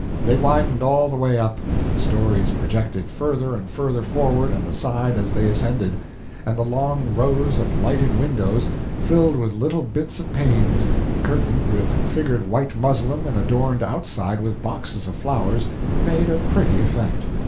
They widened all the way up; the stories projected further and further forward and aside as they ascended, and the long rows of lighted windows, filled with little bits of panes, curtained with figured white muslin and adorned outside with boxes of flowers, made a pretty effect.